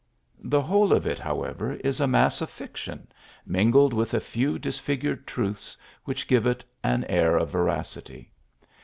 The whole of it, however, is a mass of fiction, mingled with a few disfigured truths, which give it an air of veracity.